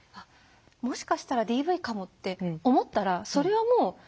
もしかしたらＤＶかもって思ったらそれはもうほぼ？